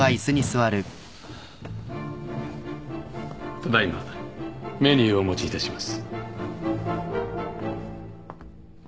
ただ今メニューをお持ちいたします。